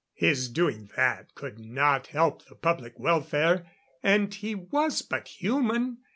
His doing that could not help the public welfare, and he was but human.